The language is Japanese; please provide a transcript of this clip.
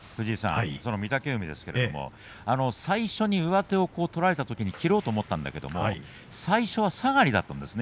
御嶽海ですが最初に上手を取られたときに切ろうと思ったんだけども最初は下がりだったんですね